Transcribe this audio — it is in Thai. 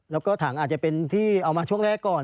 แล้วก็ถังอาจจะเป็นที่เอามาช่วงแรกก่อน